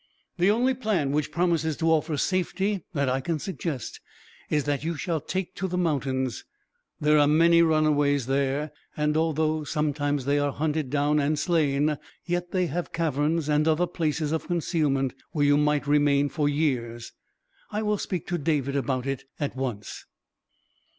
The only plan which promises to offer safety, that I can suggest, is that you shall take to the mountains. There are many runaways there, and although sometimes they are hunted down and slain; yet they have caverns, and other places of concealment, where you might remain for years. I will speak to David about it, at once."